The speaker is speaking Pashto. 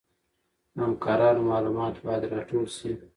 د همکارانو معلومات باید راټول شي.